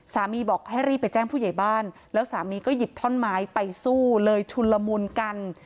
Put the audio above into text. บอกให้รีบไปแจ้งผู้ใหญ่บ้านแล้วสามีก็หยิบท่อนไม้ไปสู้เลยชุนละมุนกัน